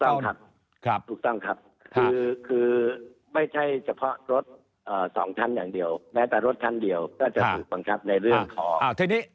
ครับถูกต้องครับคือไม่ใช่เฉพาะรถสองท่านอย่างเดียวแม้แต่รถท่านเดียวก็จะถูกบังคับในเรื่องของความมั่นคงแขกด้วย